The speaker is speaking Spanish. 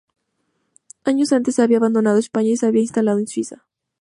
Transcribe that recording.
Años antes había abandonado España y se había instalado en Suiza.